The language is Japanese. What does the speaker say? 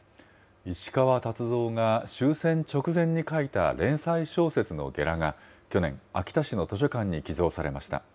石川達三が終戦直前に書いた連載小説のゲラが去年、秋田市の図書館に寄贈されました。